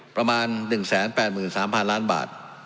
ประมาณ๑๘๓๐๐๐ล้านบาท